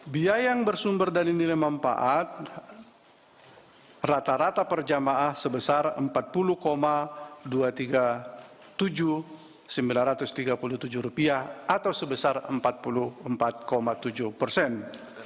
biaya yang bersumber dari nilai mempaat rata rata per jemaah sebesar rp empat puluh dua ratus tiga puluh tujuh sembilan ratus tiga puluh tujuh atau sebesar empat puluh empat tujuh persen